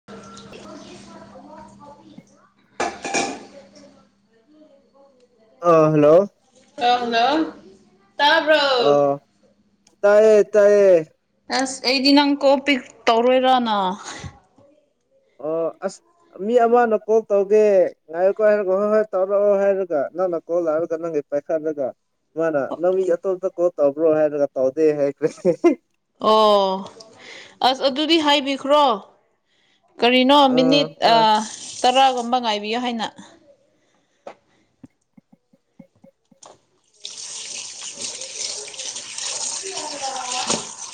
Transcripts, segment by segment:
[unintelligible] [unintelligible] ꯑꯥ hello ꯑꯥ hello ꯇꯥꯕ꯭ꯔꯣ ꯑꯣ ꯇꯌꯦ ꯇꯌꯦ ꯑꯁ ꯑꯩꯗꯤ ꯅꯪ ꯀꯣꯜ ꯄꯤꯛ ꯇꯧꯔꯣꯏꯔꯅ ꯑꯣ ꯑꯁ ꯃꯤ ꯑꯃꯅ ꯀꯣꯜ ꯇꯧꯒꯦ ꯉꯥꯏꯌꯨꯀꯣ ꯍꯥꯏꯔ ꯍꯣꯏ ꯍꯣꯏ ꯇꯧꯔꯛꯑꯣ ꯍꯥꯏꯔꯒ ꯅꯪꯅ ꯀꯣꯜ ꯂꯥꯛꯔꯒ ꯅꯪꯒꯤ ꯄꯥꯏꯈꯠꯂꯒ ꯃꯥꯅ ꯅꯪ ꯃꯤ ꯑꯇꯣꯝꯄ ꯀꯣꯜ ꯇꯧꯕ꯭ꯔꯣ ꯍꯥꯏꯔꯒ ꯇꯧꯗꯦ ꯍꯥꯏꯈ꯭ꯔꯦ ꯑꯣ ꯑꯁ ꯑꯗꯨꯗꯤ ꯍꯥꯏꯕꯤꯈ꯭ꯔꯣ ꯀꯔꯤꯅꯣ ꯑꯥ ꯃꯤꯅꯤꯠ ꯍꯣꯏ ꯇꯥꯔꯥꯒꯨꯝꯕ ꯉꯥꯏꯕꯤꯌꯣ ꯍꯥꯏꯅ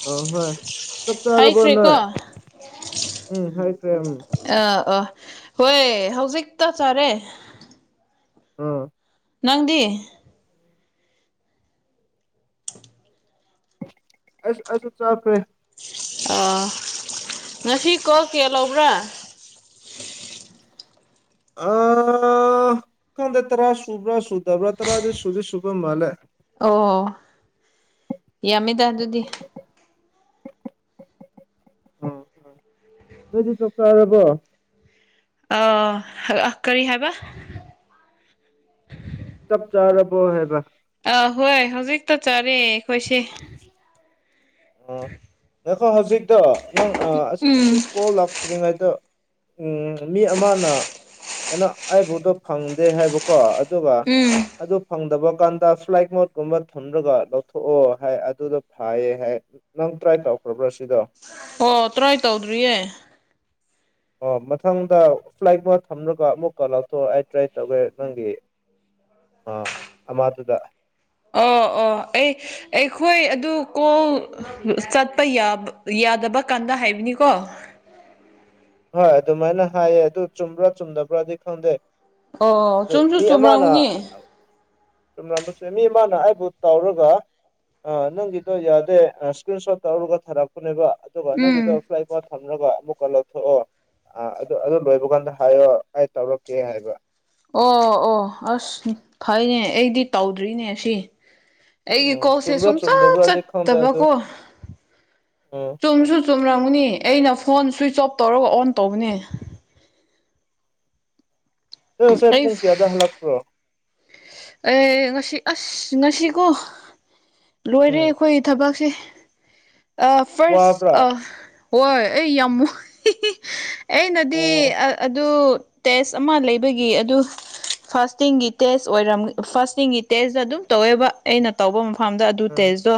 ꯑ ꯥꯍꯣꯏ ꯆꯥꯛ ꯆꯥꯔꯕ꯭ꯔꯣ ꯍꯥꯏꯈ꯭ꯔꯦꯀꯣ ꯅꯣꯏ ꯎꯝ ꯍꯥꯏꯈ꯭ꯔꯦ ꯎꯝ ꯑꯥ ꯑꯥ ꯍꯣꯏ ꯍꯧꯖꯤꯛ ꯆꯥꯛ ꯆꯥꯔꯦ ꯑꯥ ꯅꯪꯗꯤ ꯑꯁ ꯑꯩꯁꯨ ꯆꯥꯈ꯭ꯔꯦ ꯑꯥ ꯉꯁꯤ ꯀꯣꯜ ꯀꯌꯥ ꯂꯧꯕ꯭ꯔꯥ ꯑꯥ ꯈꯪꯗꯦ ꯇꯔꯥ ꯁꯨꯕ꯭ꯔꯥ ꯁꯨꯗꯕ꯭ꯔꯥ ꯇꯔꯥꯗꯤ ꯁꯨꯗꯤ ꯁꯨꯕ ꯃꯥꯜꯂꯦ ꯑꯣ ꯍꯣ ꯌꯥꯝꯃꯤꯗ ꯑꯗꯨꯗꯤ [inaudible] ꯑꯣ ꯅꯣꯏꯗꯤ ꯆꯥꯛ ꯆꯥꯔꯕ꯭ꯔꯣ ꯑꯥ ꯑꯥ ꯀꯔꯤ ꯍꯥꯏꯕ ꯆꯥꯛ ꯆꯥꯔꯕꯣ ꯍꯥꯏꯕ ꯑ ꯍꯣꯏ ꯍꯧꯖꯤꯛꯇ ꯆꯠꯔꯦ ꯑꯩꯈꯣꯏꯁꯦ ꯎꯝ ꯅꯈꯣ ꯍꯧꯖꯤꯛꯇ ꯅꯪ ꯑ ꯑꯁꯤ ꯑꯁꯤ ꯎꯝ ꯀꯣꯜ ꯂꯛ ꯇ꯭ꯔꯤꯉꯩꯗ ꯎꯝ ꯃꯤ ꯑꯃꯅ ꯀꯩꯅꯣ ꯑꯩꯕꯨꯗꯣ ꯐꯪꯗꯦ ꯍꯥꯏꯕꯀꯣ ꯑꯗꯨꯒ ꯎꯝ ꯑꯗꯨ ꯐꯪꯗꯕ ꯀꯥꯟꯗ ꯐ꯭ꯂꯥꯏ ꯃꯣꯠꯀꯨꯝꯕ ꯊꯨꯝꯔꯒ ꯂꯧꯊꯣꯛꯑꯣ ꯍꯥꯏ ꯑꯗꯨꯅ‌ ꯐꯩꯌꯦ ꯍꯥꯏ ꯅꯪ ꯇ꯭ꯔꯥꯏ ꯇꯧꯈ꯭ꯔꯕ꯭ꯔꯥ ꯁꯤꯗꯣ ꯑꯣ ꯇ꯭ꯔꯥꯏ ꯇꯧꯗ꯭ꯔꯤꯌꯦ ꯑꯣ ꯃꯊꯪꯗ ꯐ꯭ꯂꯥꯏꯠ ꯃꯣꯠ ꯊꯝꯔꯒ ꯑꯃꯨꯛꯀ ꯂꯧꯊꯣꯛ ꯑꯩ ꯇ꯭ꯔꯥꯏ ꯇꯧꯒꯦ ꯅꯪꯒꯤ ꯑ ꯃꯥꯗꯨꯗ ꯑꯣ ꯑꯣ ꯑꯩ ꯑꯩꯈꯣꯏ ꯑꯗꯨ ꯀꯣꯡ ꯆꯠꯄ ꯌꯥꯎꯕ ꯌꯥꯗꯕ ꯀꯥꯟꯗ ꯍꯥꯏꯕꯅꯤꯀꯣ ꯍꯣꯏ ꯑꯗꯨꯃꯥꯏꯅ ꯍꯥꯏꯌꯦ ꯑꯗꯨ ꯆꯨꯝꯕ꯭ꯔꯥ ꯆꯨꯝꯗꯕ꯭ꯔꯗꯤ ꯈꯪꯗꯦ ꯑꯣ ꯑꯣ ꯑꯗꯨ ꯆꯨꯝꯁꯨ ꯆꯨꯝꯔꯝꯅꯤ ꯆꯨꯝꯂꯝꯕꯁꯦ ꯃꯤ ꯑꯃꯅ ꯑꯩꯕꯨ ꯇꯧꯔꯒ ꯑ ꯅꯪꯒꯤꯗꯣ ꯌꯥꯗꯦ ꯏꯁꯀ꯭ꯔꯤꯟ ꯁꯣꯠ ꯇꯧꯔꯒ ꯊꯥꯔꯛꯄꯅꯦꯕ ꯑꯗꯨꯒ ꯅꯪꯒꯤꯗꯣ ꯎꯝ ꯁ꯭ꯂꯥꯏꯐꯣꯠ ꯊꯝꯔꯒ ꯑꯃꯨꯛꯀ ꯂꯧꯊꯣꯛꯑꯣ ꯑꯥ ꯑꯗꯨ ꯑꯗꯨ ꯂꯣꯏꯕ ꯀꯥꯟꯗ ꯍꯥꯏꯌꯣ ꯑꯩ ꯇꯧꯔꯛꯀꯦ ꯍꯥꯏꯕ ꯑꯣ ꯑꯣ ꯑꯁ ꯐꯩꯅꯦ ꯑꯩꯗꯤ ꯇꯧꯗ꯭ꯔꯤꯅꯦ ꯁꯤ ꯑꯩꯒꯤ ꯎꯝ ꯀꯣꯛꯁꯦ ꯆꯨꯝꯕ꯭ꯔꯥ ꯁꯨꯡꯆꯠ ꯆꯨꯝꯗꯕ꯭ꯔꯥꯗꯤ ꯈꯪꯗꯦ ꯑꯗꯨ ꯆꯠꯇꯕꯀꯣ ꯎꯝ ꯆꯨꯝꯁꯨ ꯆꯨꯝꯔꯝꯒꯅꯤ ꯑꯩꯅ ꯐꯣꯟ ꯁꯨꯏꯟ ꯑꯣꯞ ꯇꯧꯔꯒ ꯑꯣꯟ ꯇꯧꯕꯅꯤ ꯑꯪ ꯉꯁꯥꯏ ꯑꯩ ꯄꯨꯡ ꯀꯌꯥꯗ ꯍꯜꯂꯛꯄ꯭ꯔꯣ ꯑꯦ ꯉꯁꯤ ꯑꯁ ꯉꯁꯤꯀꯣ ꯂꯣꯏꯔꯦ ꯎꯝ ꯑꯈꯣꯏꯒꯤ ꯊꯕꯛꯁꯦ ꯑ ꯐꯥꯔꯁ ꯋꯥꯕ꯭ꯔꯥ ꯑ ꯋꯣꯏ ꯑꯩ ꯌꯥꯝ ꯑꯩꯅꯗꯤ ꯑꯣ ꯑꯑꯗꯨ ꯇꯦꯁ ꯑꯃ ꯂꯩꯕꯒꯤ ꯑꯗꯨ ꯐꯥꯁꯇꯤꯡꯒꯤ ꯇꯦꯁ ꯑꯣꯏꯔꯝ ꯐꯥꯔꯁ ꯇꯤꯡꯒꯤ ꯇꯦꯁ ꯑꯗꯨꯝ ꯇꯧꯋꯦꯕ ꯑꯩꯅ ꯇꯧꯕ ꯃꯐꯝꯗ ꯑꯗꯨ ꯎꯝ ꯇꯦꯁꯇꯣ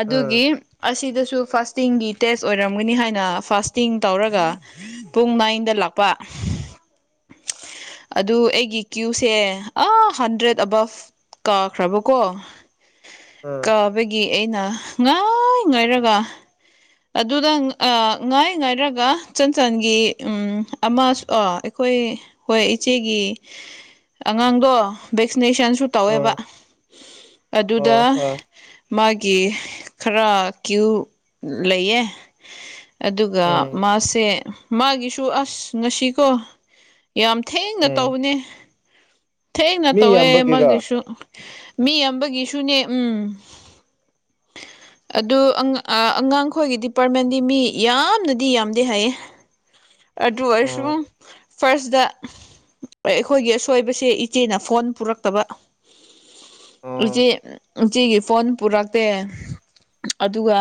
ꯑꯗꯨꯒꯤ ꯎꯝ ꯑꯁꯤꯗꯁꯨ ꯐꯥꯁꯇꯤꯡꯒꯤ ꯇꯦꯁ ꯑꯣꯏꯔꯝꯒꯅꯤ ꯍꯥꯏꯅ ꯐꯥꯁꯇꯤꯡ ꯇꯧꯔꯒ ꯄꯨꯡ ꯅꯥꯏꯟꯗ ꯂꯥꯛꯄ ꯑꯗꯨ ꯑꯩꯒꯤ ꯀ꯭ꯌꯨꯏꯁꯦ ꯑ ꯍꯟꯗ꯭ꯔꯦꯠ ꯑꯕꯞ ꯀꯥꯈ꯭ꯔꯕꯀꯣ ꯎꯝ ꯀꯥꯕꯒꯤ ꯑꯩꯅ ꯉꯥꯏ ꯉꯥꯏꯔꯒ ꯑꯗꯨꯗ ꯑ ꯉꯥꯏ ꯉꯥꯏꯔꯒ ꯆꯟꯆꯟꯒꯤ ꯎꯝ ꯑꯃꯁ ꯑ‌ ꯑꯩꯈꯣꯏ ꯍꯣꯏ ꯏꯆꯦꯒꯤ ꯑꯉꯥꯡꯗꯣ ꯚꯦꯛꯁꯤꯅꯦꯁꯟꯁꯨ ꯇꯌꯦꯕ ꯎꯝ ꯑꯗꯨꯗ ꯑꯣ ꯍꯣꯏ ꯃꯥꯒꯤ ꯈꯔ ꯀꯤꯌꯨ ꯂꯩꯌꯦ ꯑꯗꯨꯒ ꯎꯝ ꯃꯥꯁꯦ ꯃꯥꯒꯤꯁꯨ ꯑꯁ ꯉꯁꯤꯀꯣ ꯌꯥꯝ ꯊꯦꯡꯅ ꯎꯝ ꯇꯧꯕꯅꯦ ꯊꯦꯡꯅ ꯃꯤ ꯇꯧꯌꯦ ꯌꯥꯝꯕꯒꯤꯔꯣ ꯑꯃꯒꯤꯁꯨ ꯃꯤ ꯑꯃꯒꯤꯁꯨꯅꯦ ꯎꯝ [inaudible] ꯑꯗꯨ ꯑꯉꯥ ꯑ ꯑꯉꯥꯡꯈꯣꯏꯒꯤ ꯗꯤ ꯄ꯭ꯔꯃꯦꯟꯗꯤ ꯃꯤ ꯌꯥꯝꯅꯗꯤ ꯌꯥꯝꯗꯦ ꯍꯥꯏꯌꯦ ꯑꯗꯨꯑꯣꯏꯁꯨ ꯎꯝ ꯐꯥꯔꯁꯗ ꯑꯩꯈꯣꯏꯒꯤ ꯑꯁꯣꯏꯕꯁꯦ ꯏꯆꯦꯅ ꯐꯣꯟ ꯄꯨꯔꯛꯇꯕ ꯎꯝ ꯍꯧꯖꯤ ꯏꯆꯦꯒꯤ ꯐꯣꯟ ꯄꯨꯔꯛꯇꯦ ꯑꯗꯨꯒ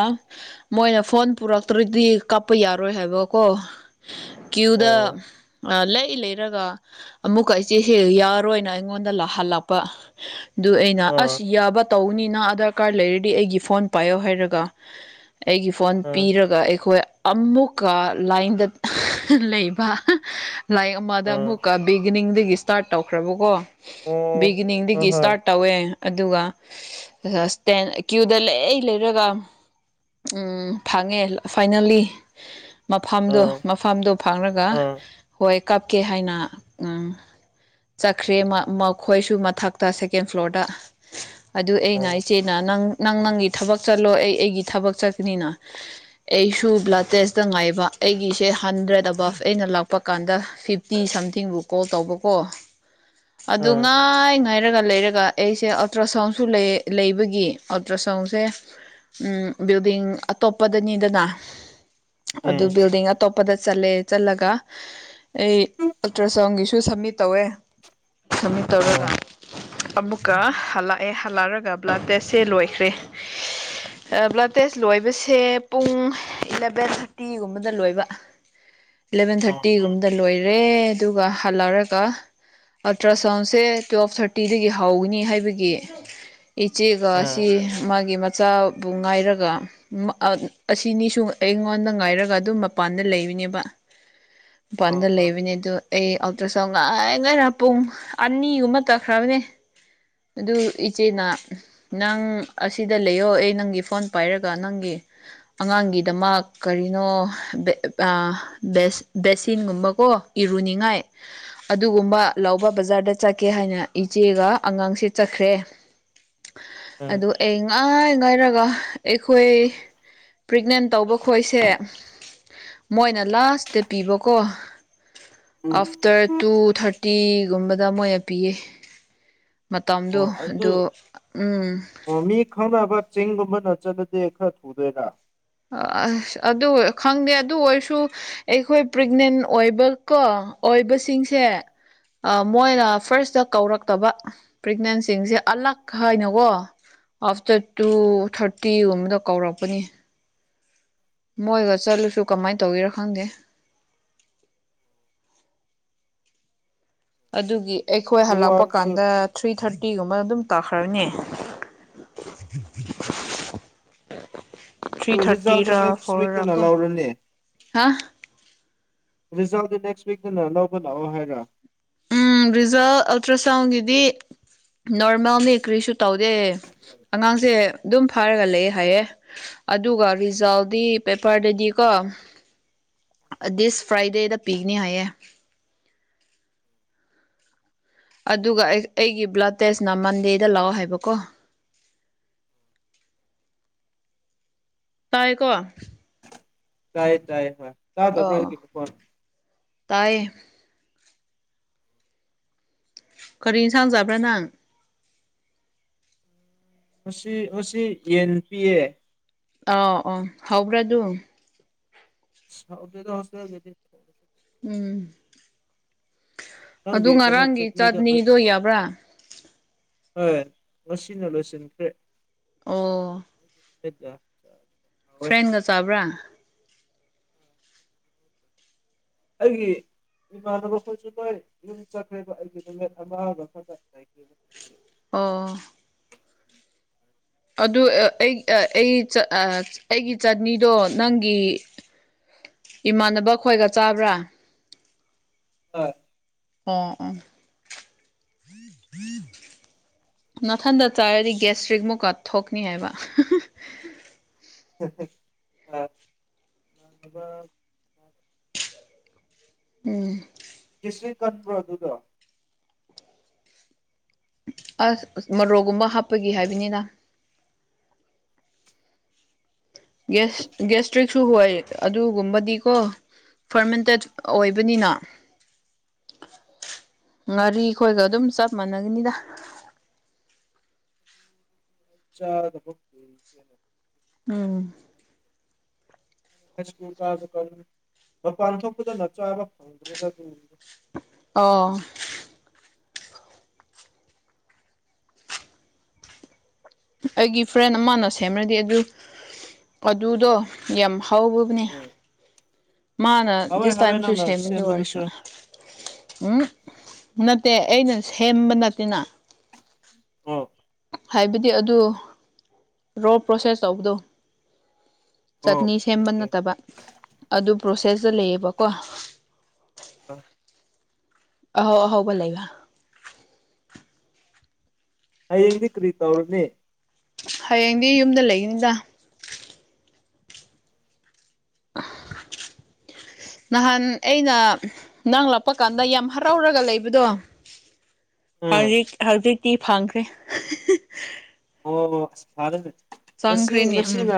ꯃꯣꯏꯅ ꯐꯣꯟ ꯄꯨꯔꯛꯇ꯭ꯔꯗꯤ ꯀꯥꯞꯄ ꯌꯥꯔꯣꯏ ꯍꯥꯏꯕꯀꯣ ꯀ꯭ꯌꯨꯗ ꯎꯝ ꯑ ꯂꯩꯏ ꯂꯩꯔꯒ ꯑꯃꯨꯛꯀ ꯏꯆꯦꯁꯦ ꯌꯥꯔꯣꯏꯅ ꯑꯩꯉꯣꯟꯗ ꯂꯥꯛꯍꯜꯂꯛꯄ ꯑꯗꯨ ꯑꯩꯅ ꯎꯝ ꯑꯁ ꯌꯥꯕ ꯇꯧꯅꯤꯅ ꯑꯙ꯭ꯔ ꯀꯥ꯭ꯔꯗ ꯂꯩꯔꯗꯤ ꯑꯩꯒꯤ ꯐꯣꯟ ꯄꯥꯏꯌꯣ ꯍꯥꯏꯔꯒ ꯑꯩꯒꯤ ꯐꯣꯟ ꯎꯝ ꯄꯤꯔꯒ ꯑꯩꯈꯣꯏ ꯑꯃꯨꯛꯀꯥ ꯂꯥꯏꯟꯗ ꯂꯩꯕ ꯂꯥꯏꯟ ꯑꯃꯥꯗ ꯎꯝ ꯑꯃꯨꯛꯀ ꯕꯤꯒꯤꯅꯤꯡꯗꯒꯤ ꯏꯁꯇꯥꯔꯠ ꯇꯧꯈ꯭ꯔꯕꯀꯣ ꯑꯣ ꯍꯣꯏ ꯕꯤꯒꯤꯅꯤꯡꯗꯒꯤ ꯍꯣꯏ ꯁꯇꯥꯔꯠ ꯇꯧꯋꯦ ꯑꯗꯨꯒ ꯏꯗꯇꯦꯟ ꯀ꯭ꯌꯨꯗ ꯂꯩꯔ ꯂꯩꯔꯒ ꯎꯝ ꯐꯪꯉꯦ ꯐꯥꯏꯅꯦꯜꯂꯤ ꯃꯐꯝꯗꯣ ꯎꯝ ꯃꯐꯝꯗꯣ ꯐꯥꯡꯔꯒ ꯎꯝ ꯍꯣꯏ ꯀꯥꯞꯀꯦ ꯍꯥꯏꯅ ꯎꯝ ꯆꯠꯈ꯭ꯔꯦ ꯃꯈꯣꯏꯁꯨ ꯃꯊꯛꯇ ꯁꯦꯀꯦꯟ ꯐ꯭ꯂꯣꯔꯗ ꯑꯗꯨ ꯑꯩꯅ ꯎꯝ ꯏꯆꯦꯅ ꯅꯪ ꯅꯪ ꯅꯪꯒꯤ ꯊꯕꯛ ꯆꯠꯂꯣ ꯑꯩ ꯑꯩꯒꯤ ꯊꯕꯛ ꯆꯠꯀꯅꯤꯅ ꯑꯩꯁꯨ ꯕ꯭ꯂꯇꯦꯁꯇ ꯉꯥꯏꯕ ꯑꯩꯒꯤꯁꯦ ꯍꯟꯗ꯭ꯔꯦꯗ ꯑꯕꯞ ꯑꯩꯅ ꯂꯥꯛꯄ ꯀꯥꯟꯗ ꯐꯤꯐꯇꯤ ꯁꯝꯊꯤꯡꯕꯨ ꯀꯣꯜ ꯇꯧꯕꯀꯣ ꯑꯗꯨ ꯎꯝ ꯉꯥꯏ ꯉꯥꯏꯔꯒ ꯂꯩꯔꯛ ꯑꯗꯨꯒ ꯑꯩꯁꯦ ꯑꯜꯇ꯭ꯔ ꯁꯥꯎꯟꯁꯨ ꯂꯩ ꯂꯩꯕꯒꯤ ꯑꯜꯇ꯭ꯔ ꯁꯥꯎꯟꯁꯦ ꯎꯝ ꯕꯤꯜꯗꯤꯡ ꯑꯇꯣꯞꯄꯗꯅꯤꯗꯅ ꯎꯝ ꯑꯗꯣ ꯕꯤꯜꯗꯤꯡ ꯑꯇꯣꯞꯄꯗ ꯆꯠꯂꯦ ꯆꯠꯂꯒ ꯑꯩ ꯑꯜꯇ꯭ꯔ ꯁꯥꯎꯟꯒꯤꯁꯨ ꯁꯕꯃꯤꯠ ꯇꯧꯔꯦ ꯁꯕꯃꯤꯠ ꯇꯧꯔꯒ ꯑꯥ ꯑꯃꯨꯛꯀ ꯍꯜꯂꯛꯑꯦ ꯍꯜꯂꯛ ꯑꯒ ꯕ꯭ꯂꯠꯇꯦꯁꯁꯦ ꯂꯣꯏꯈ꯭ꯔꯦ ꯕ꯭ꯂꯗ ꯇꯦꯁ ꯂꯣꯏꯕꯁꯦ ꯄꯨꯡ ꯏꯂꯚꯦꯟ ꯊꯥꯔꯇꯤ ꯒꯨꯝꯕꯗ ꯂꯣꯏꯕ ꯏꯂꯚꯦꯟ ꯊꯥꯔꯇꯤꯒꯨꯝꯕꯗ ꯂꯣꯏꯔꯦ ꯑꯗꯨꯒ ꯍꯜꯂꯛꯔꯒ ꯑꯜꯇ꯭ꯔ ꯁꯥꯎꯟꯁꯦ ꯇꯨꯋꯦꯜꯐ ꯊꯥꯔꯇꯤꯗꯒꯤ ꯍꯧꯒꯅꯤ ꯍꯥꯏꯕꯒꯤ ꯏꯆꯦꯒ ꯁꯤ ꯑꯥ ꯃꯥꯒꯤ ꯃꯆꯥ ꯕꯨ ꯉꯥꯏꯔꯒ ꯑꯥ ꯑꯁꯤꯅꯤꯁꯨ ꯑꯩꯉꯣꯟꯗ ꯉꯥꯏꯔꯒ ꯑꯗꯨꯝ ꯃꯄꯥꯟꯗ ꯂꯩꯕꯅꯦꯕ ꯃꯄꯥꯟꯗ ꯂꯩꯕꯅꯦ ꯑꯗꯣ ꯑꯩ ꯑꯜꯇ꯭ꯔ ꯁꯣꯎꯟ ꯉꯥꯏ ꯉꯥꯏꯔꯒ ꯄꯨꯡ ꯑꯅꯤꯒꯨꯝꯕ ꯇꯈ꯭ꯔꯕꯅꯦ ꯑꯗꯨ ꯏꯆꯦꯅ ꯅꯪ ꯑꯁꯤꯗ ꯂꯩꯌꯣ ꯑꯩ ꯅꯪꯒꯤ ꯐꯣꯟ ꯄꯥꯏꯔꯒ ꯅꯪꯒꯤ ꯑꯉꯥꯡꯒꯤꯗꯃꯛ ꯀꯔꯤꯅꯣ ꯕꯦ ꯕꯦꯁꯤꯟꯒꯨꯝꯕꯀꯣ ꯏꯔꯨꯅꯤꯉꯥꯏ ꯑꯗꯨꯒꯨꯝꯕ ꯂꯧꯕ ꯕꯖꯥꯔꯗ ꯆꯠꯀꯦ ꯍꯥꯏꯅ ꯏꯆꯦꯒ ꯑꯉꯥꯡꯁꯦ ꯆꯠꯈ꯭ꯔꯦ ꯑꯗꯨ ꯑꯩ ꯉꯥꯏ ꯉꯥꯏꯔꯒ ꯑꯩꯈꯣꯏ ꯄ꯭ꯔꯦꯒꯅꯦꯟ ꯇꯧꯕ ꯈꯣꯏꯁꯦ ꯃꯣꯏꯅ ꯂꯥꯁꯇ ꯄꯤꯕꯀꯣ ꯑꯥꯐꯇꯔ ꯇꯨ ꯊꯥꯔꯇꯤꯒꯨꯝꯕꯗ ꯃꯣꯏꯅ ꯄꯤꯌꯦ ꯃꯇꯝꯗꯣ ꯑꯗꯨ ꯎꯝ ꯑꯣ ꯃꯤ ꯈꯪꯅꯕ ꯆꯤꯡꯒꯨꯝꯕꯅꯥ ꯆꯠꯂꯗꯤ ꯈꯔ ꯊꯨꯗꯣꯏꯔꯥ ꯑꯁ ꯑꯗꯨ ꯈꯪꯗꯦ ꯑꯗꯨ ꯑꯣꯏꯔꯁꯨ ꯑꯩꯈꯣꯏ ꯄ꯭ꯔꯦꯒꯅꯦꯟ ꯑꯣꯏꯕꯀꯣ ꯑꯣꯏꯕꯁꯤꯡꯁꯦ ꯃꯣꯏꯅ ꯐꯥ꯭ꯔꯁꯇ ꯀꯧꯔꯛꯇꯕ ꯄ꯭ꯔꯦꯒꯅꯦꯟꯁꯤꯡꯁꯦ ꯑꯂꯛ ꯍꯥꯏꯅꯀꯣ ꯑꯐꯇꯔ ꯇꯨ ꯊꯥꯔꯇꯤꯒꯨꯝꯕꯗ ꯀꯧꯔꯛꯄꯅꯤ ꯃꯣꯏꯒ ꯆꯠꯂꯁꯨ ꯀꯃꯥꯏ ꯇꯧꯒꯦꯔ ꯈꯪꯗꯦ ꯑꯗꯨꯒꯤ ꯑꯩꯈꯣꯏ ꯑꯗꯨ ꯍꯜꯂꯛꯄ ꯑꯣꯏꯔꯁꯨ ꯀꯥꯟꯗ ꯊ꯭ꯔꯤ ꯊꯥꯔꯇꯤꯒꯨꯝꯕ ꯑꯗꯨꯝ ꯇꯥꯈ꯭ꯔꯒꯥꯅꯤ [unintelligible] ꯊ꯭ꯔꯤ ꯑꯗꯨ ꯊꯥꯔꯇꯤ ꯔꯤꯖꯜꯗꯤ ꯔ ꯅꯦꯛꯁ ꯐꯣꯔ ꯔ ꯋꯤꯛꯇꯅ ꯀꯣ ꯂꯧꯔꯅꯤ ꯍꯥ ꯔꯤꯖꯜꯗꯨ ꯅꯦꯛꯁ ꯋꯤꯛꯇꯥꯅ ꯂꯧꯕ ꯂꯥꯛꯑꯣ ꯍꯥꯏꯔꯥ ꯎꯝ ꯔꯤꯖꯜ ꯑꯜꯇ꯭ꯔ ꯁꯥꯎꯟꯒꯤꯗꯤ ꯅꯣꯔꯃꯦꯜꯅꯤ ꯀ꯭ꯔꯤꯁꯨ ꯇꯧꯗꯦ ꯑꯉꯥꯡꯁꯦ ꯑꯗꯨꯝ ꯐꯥꯔꯒ ꯂꯩ ꯍꯥꯏꯌꯦ ꯑꯗꯨꯒ ꯔꯤꯖꯜꯗꯤ ꯄꯦꯄꯔꯗꯗꯤꯀꯣ ꯗꯤꯁ ꯐ꯭ꯔꯥꯏꯗꯦꯗ ꯄꯤꯒꯅꯤ ꯍꯥꯏꯌꯦ ꯑꯗꯨꯒ ꯑꯩ ꯑꯩꯒꯤ ꯕ꯭ꯂꯗ ꯇꯦꯁꯅ ꯃꯟꯗꯦꯗ ꯂꯥꯛꯑꯣ ꯍꯥꯏꯕꯀꯣ ꯇꯥꯏꯀꯣ ꯇꯥꯏꯌꯦ ꯇꯥꯏꯌꯦ ꯍꯣꯏ ꯇꯥꯗꯕ꯭ꯔ ꯑꯣ ꯑꯩꯒꯤ ꯈꯣꯟ ꯇꯥꯏꯌꯦ ꯀꯔꯤ ꯏꯟꯁꯥꯡ ꯆꯥꯕ꯭ꯔꯥ ꯅꯪ ꯉꯁꯤ ꯉꯁꯤ ꯌꯦꯟ ꯄꯤꯌꯦ ꯑꯧ ꯑꯣ ꯍꯧꯕ꯭ꯔꯥ ꯑꯗꯨ ꯍꯥꯎꯇꯦꯗ ꯍꯣꯁꯇꯦꯜꯒꯤꯗꯤ ꯎꯝ ꯑꯗꯨ ꯅꯪꯒꯤ ꯀꯩꯅꯣ ꯉꯔꯥꯡꯒꯤ ꯆꯠꯅꯤꯗꯣ ꯌꯥꯕ꯭ꯔꯥ ꯍꯣꯏ ꯉꯁꯤꯅ ꯂꯣꯏꯁꯤꯟꯈ꯭ꯔꯦ [inaudible] ꯑꯣ ꯍꯥꯎꯋꯦ ꯐ꯭ꯔꯦꯟꯒ ꯆꯥꯕ꯭ꯔꯥ ꯑꯩꯒꯤ ꯏꯃꯥꯟꯅꯕꯈꯣꯏꯁꯨ ꯅꯣꯏ ꯌꯨꯝ ꯆꯠꯈ꯭ꯔꯦꯕ ꯑꯩꯒꯤ ꯅꯨꯃꯤꯠ ꯑꯃꯒ ꯈꯛꯇ [unintelligible] ꯑꯣ ꯑꯗꯨ ꯑꯩ ꯑꯩꯒꯤ ꯑ ꯑꯩꯒꯤ ꯆꯠꯅꯤꯗꯣ ꯅꯪꯒꯤ ꯏꯃꯥꯟꯅꯕ ꯈꯣꯏꯒ ꯆꯥꯕ꯭ꯔꯥ ꯍꯣꯏ ꯑꯣ ꯑꯣ ꯅꯥꯊꯟꯗ ꯆꯥꯔꯗꯤ ꯒꯦꯁꯇ꯭ꯔꯤꯛ ꯃꯨꯛꯀ ꯊꯣꯛꯀꯅꯤ ꯍꯥꯏꯕ [unintelligible] [inaudible] ꯎꯝ [unintelligible] ꯀꯟꯕ꯭ꯔꯣ ꯑꯗꯨꯗꯣ ꯑꯁ ꯑꯁ ꯃꯣꯔꯣꯛꯒꯨꯝꯕ ꯍꯥꯞꯄꯒꯤ ꯍꯥꯏꯕꯅꯤꯗ ꯒꯦꯁ ꯒꯦꯁꯇ꯭ꯔꯤꯛꯁꯨ ꯍꯣꯏ ꯑꯗꯨꯒꯨꯝꯕꯗꯤꯀꯣ ꯐꯔꯃꯦꯟꯇꯦꯠ ꯑꯣꯏꯕꯅꯤꯅ ꯉꯥꯔꯤꯈꯣꯏꯒ ꯑꯗꯨꯝ ꯆꯞ ꯃꯥꯟꯅꯒꯅꯤꯗ ꯆꯥꯔꯒꯀꯣ [inaudible] ꯎꯝ [inaudible] ꯃꯄꯥꯟ ꯊꯣꯛꯄꯗꯅ ꯆꯥꯕ ꯐꯪꯗ꯭ꯔꯦꯗ ꯑꯗꯨꯒꯨꯝꯕꯗꯣ ꯑꯣ ꯑꯩꯒꯤ ꯐ꯭ꯔꯦꯟ ꯑꯃꯅ ꯁꯦꯝꯔꯗꯤ ꯑꯗꯨ ꯑꯗꯨꯗꯣ ꯌꯥꯝ ꯍꯧꯔꯕꯅꯦ [inaudible] ꯃꯥꯅ ꯍꯥꯎꯋꯦ ꯗꯤꯁ ꯍꯥꯎꯋꯦ ꯇꯥꯏꯝꯁꯨ ꯅꯪꯅ ꯁꯦꯝꯃꯤ ꯑꯗꯨ ꯑꯣꯏꯔꯁꯨ ꯁꯦꯝꯕꯗꯨꯁꯨ ꯎꯝ ꯅꯠꯇꯦ ꯑꯩꯅ ꯁꯦꯝꯕ ꯅꯠꯇꯦꯅ [unintelligible] ꯍꯥꯏꯕꯗꯤ ꯑꯗꯨ ꯑꯣ ꯔꯣ ꯄ꯭ꯔꯣꯁꯦꯁ ꯇꯧꯕꯗꯣ ꯆꯠꯅꯤ ꯑꯣꯀꯦ ꯁꯦꯝꯕ ꯑꯣꯀꯦ ꯅꯠꯇꯕ ꯑꯗꯨ ꯄ꯭ꯔꯣꯁꯦꯁꯇ ꯂꯩꯌꯦꯕꯀꯣ [inaudible] ꯑꯍꯥꯎ ꯑꯍꯥꯎꯕ ꯂꯩꯕ ꯍꯌꯦꯡꯗꯤ ꯀ꯭ꯔꯤ ꯇꯧꯔꯅꯤ ꯍꯌꯦꯡꯗꯤ ꯌꯨꯝꯗ ꯂꯩꯅꯤꯗ ꯑ [inaudible] ꯅꯍꯥꯟ ꯑꯩꯅ ꯅꯪ ꯂꯥꯛꯄ ꯀꯥꯟꯗ ꯌꯥꯝ ꯍꯔꯥꯎꯔꯒ ꯂꯩꯕꯗꯣ ꯎꯝ ꯍꯧꯖꯤꯛ ꯍꯧꯖꯤꯛꯇꯤ ꯐꯪꯈ꯭ꯔꯦ ꯑꯣ ꯐꯔꯦꯅꯦ ꯉꯁꯤ ꯆꯪꯈ꯭ꯔꯦꯅꯦ ꯎꯝ ꯉꯁꯤꯅꯥ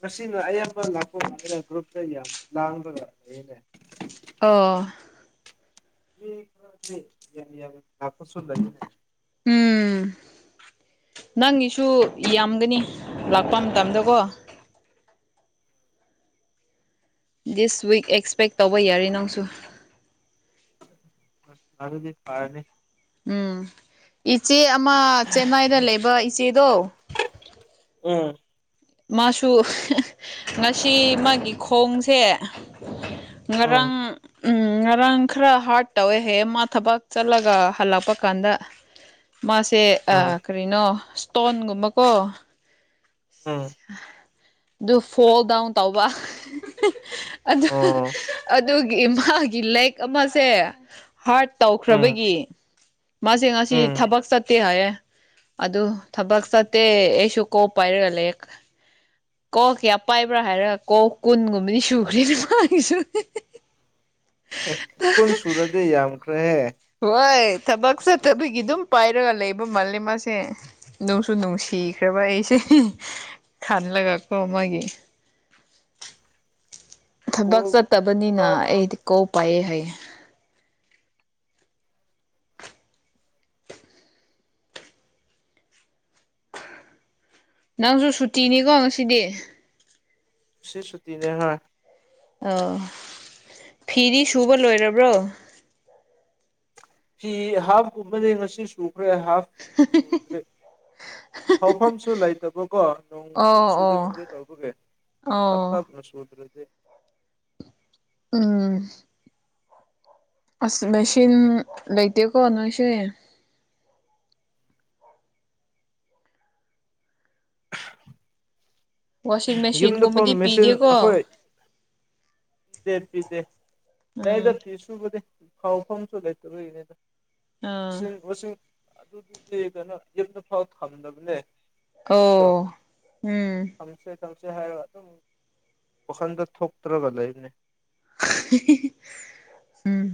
ꯃꯁꯤꯅ ꯑꯌꯥꯝꯕ ꯂꯥꯛꯈꯣꯡ ꯑꯩꯅ ꯒ꯭ꯔꯨꯞꯇ ꯌꯥꯝ ꯂꯥꯡꯕꯒ ꯂꯩꯅꯦ ꯑ‌‍ꯣ ꯃꯤ ꯈꯔꯗꯤ ꯌꯥꯥꯝ ꯌꯥꯝ ꯂꯥꯛꯄꯁꯨ ꯂꯩꯕꯅ‌ꯦ ꯎꯝ ꯅꯪꯒꯤꯁꯨ ꯌꯥꯝꯒꯅꯤ ꯂꯥꯛꯄ ꯃꯇꯝꯗꯀꯣ ꯗꯤꯁ ꯋꯤꯛ ꯑꯦꯛꯁꯄꯦꯛ ꯇꯧꯕ ꯌꯥꯔꯤ ꯅꯪꯁꯨ ꯑꯗꯨꯗꯤ ꯐꯥꯔꯅꯤ ꯎꯝ ꯏꯆꯦ ꯑꯃ ꯆꯦꯟꯅꯥꯏꯗ ꯂꯩꯕ ꯏꯆꯦꯗꯣ ꯎꯝ ꯃꯥꯁꯨ ꯉꯁꯤ ꯃꯥꯒꯤ ꯈꯣꯡꯁꯦ ꯉꯔꯥꯡ ꯎꯝ ꯎꯝ ꯉꯔꯥꯡ ꯈꯔ ꯍꯥꯔꯠ ꯇꯧꯋꯦ ꯍꯌꯦ ꯃꯥ ꯊꯕꯛ ꯆꯠꯂꯒ ꯍꯜꯂꯛꯄ ꯀꯥꯟꯗ ꯃꯥꯁꯦ ꯎꯝ ꯀꯔꯤꯅꯣ ꯏꯁꯇꯣꯟꯒꯨꯝꯕꯀꯣ ꯎꯝ ꯑꯗꯨ ꯐꯣꯜ ꯗꯥꯎꯟ ꯇꯧꯕ ꯑꯣ ꯑꯗꯨꯒꯤ ꯏꯝꯐꯥ‌ꯜꯒꯤ ꯂꯦꯛ ꯑꯃꯁꯦ ꯍꯥꯔꯠ ꯎꯝ ꯇꯧꯈ꯭ꯔꯕꯒꯤ ꯃꯥꯁꯦ ꯉꯁꯤ ꯎꯝ ꯊꯕꯛ ꯆꯠꯇꯦ ꯍꯥꯏꯌꯦ ꯑꯗꯨ ꯊꯕꯛ ꯆꯠꯇꯦ ꯑꯩꯁꯨ ꯀꯣꯛ ꯄꯥꯏꯔꯒ ꯂꯩ ꯀꯣꯛ ꯀꯌꯥ ꯄꯥꯏꯕ꯭ꯔꯥ ꯍꯥꯏꯔꯒ ꯀꯣꯛ ꯀꯨꯟꯒꯨꯝꯕꯅꯤ ꯁꯨꯈ꯭ꯔꯦ ꯅꯨꯄꯥꯒꯤꯁꯨ ꯑ‌ꯦ ꯀꯨꯟ ꯁꯨꯔꯗꯤ ꯌꯥꯝꯈ꯭ꯔꯦ ꯍꯦ ꯍꯣꯏ ꯊꯕꯛ ꯆꯠꯇꯕꯒꯤ ꯑꯗꯨꯝ ꯄꯥꯏꯔꯒ ꯂꯩꯕ ꯃꯥꯜꯂꯦ ꯃꯥꯁꯦ ꯅꯨꯡꯁꯨ ꯅꯨꯡꯁꯤꯈ꯭ꯔꯕ ꯑꯩꯁꯦ ꯈꯜꯂꯒꯀꯣ ꯑꯃꯒꯤ ꯊꯕꯛ ꯀꯣꯜ ꯆꯠꯇꯕꯅꯤꯅ ꯇꯔꯥ ꯑꯩꯗꯤ ꯀ‌ꯣꯛ ꯄꯥꯏꯌ‌ꯦ ꯍꯥꯏꯌꯦ ꯅꯪꯁꯨ ꯁꯨꯇꯤꯅꯤꯀꯣ ꯉꯁꯤꯗꯤ ꯁꯤꯁꯨꯇꯤꯅꯤ ꯍꯥꯏ ꯑ ꯐꯤꯗꯤ ꯁꯨꯕ ꯂꯣꯏꯔꯕ꯭ꯔꯣ ꯐꯤ ꯍꯥꯐ ꯀꯨꯝꯕꯗꯤ ꯉꯁꯤ ꯁꯨꯈ꯭ꯔꯦ ꯍꯥꯐ ꯁꯨꯗ꯭ꯔꯤ ꯐꯧꯐꯝꯁꯨ ꯂꯩꯇꯕꯀꯣ ꯅ‌ꯣꯡ ꯑꯣ ꯆꯨꯕꯦ ꯑꯣ ꯆꯨꯕꯦꯗꯕꯒꯦ ꯇꯞ ꯑꯣ ꯇꯥꯞꯅ ꯁꯨꯗ꯭ꯔꯤꯗꯤ ꯎꯝ ꯑꯁ ꯃꯦꯆꯤꯟ ꯂꯩꯇꯦꯀꯣ ꯅꯣꯏꯁ‌ꯦ ꯋꯥꯁꯤꯡ ꯌꯨꯝꯗ ꯐ ꯃꯦꯆꯤꯟꯒꯨꯝꯕꯗꯤ ꯃꯦꯆꯤꯟ ꯄꯤꯗꯦꯀꯣ ꯑꯩꯈꯣꯏ ꯄꯗꯦ ꯄꯗꯦ ꯌꯥꯗ ꯎꯝ [unintelligible] ꯁꯨꯕꯗꯤ ꯈꯥꯎꯐꯝꯁꯨ ꯂꯩꯇꯗꯔꯤꯅꯤ ꯑꯗ ꯑꯥ ꯏꯁꯤꯡꯁꯤꯡ [unintelligible] ꯑꯗꯨꯗꯤ ꯀꯩꯅꯣ ꯌꯨꯝꯅ ꯐꯥꯎ ꯊꯝꯗꯕꯅꯦ ꯑꯩꯗꯣ ꯑꯣ ꯎꯝ ꯊꯝꯁꯦ ꯊꯝꯁꯦ ꯍꯥꯏꯔꯒ ꯑꯗꯨꯝ ꯋꯥꯈꯟꯗ ꯊꯣꯛꯇ꯭ꯔꯒ ꯂꯩꯕꯅꯦ ꯎꯝ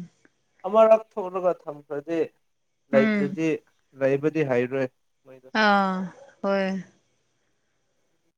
ꯑꯃꯔꯛ ꯊꯣꯛꯂꯒ ꯊꯝꯈ꯭ꯔꯗꯤ ꯎꯝ ꯂꯩꯇ꯭ꯔꯗꯤ ꯂꯩꯕꯗꯤ ꯍꯩꯔꯣꯏ ꯃꯣꯏ ꯑꯥ ꯍꯣꯏ